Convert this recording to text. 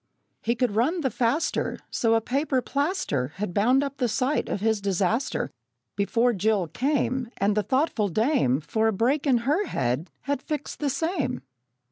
He could run the faster, So a paper plaster Had bound up the sight of his disaster Before Jill came; And the thoughtful dame, For a break in her head, had fixed the same.